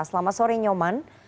selamat sore nyoman